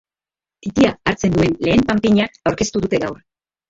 Titia hartzen duen lehen panpina aurkeztu dute gaur.